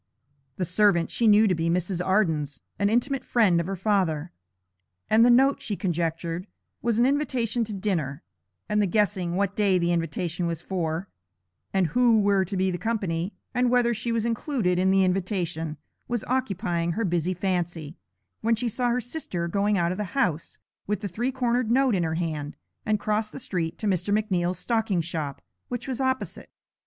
The servant she knew to be Mrs. Arden's, an intimate friend of her father, and the note she conjectured was an invitation to dinner, and the guessing what day the invitation was for, and who were to be the company, and whether she was included in the invitation, was occupying her busy fancy, when she saw her sister going out of the house with the three cornered note in her hand, and cross the street to Mr. McNeal's stocking shop, which was opposite.